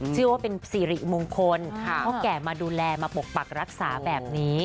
เชื่อว่าเป็นสิริมงคลพ่อแก่มาดูแลมาปกปักรักษาแบบนี้